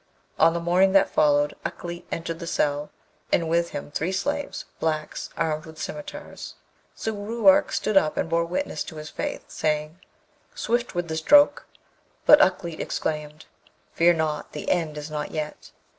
On the morning that followed Ukleet entered the cell, and with him three slaves, blacks, armed with scimitars. So Ruark stood up and bore witness to his faith, saying, 'Swift with the stroke!' but Ukleet exclaimed, 'Fear not! the end is not yet.'